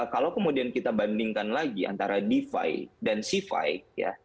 kalau kemudian kita bandingkan lagi antara defi dan c lima ya